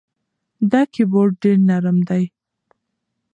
دا کیبورد ډېر نرم دی.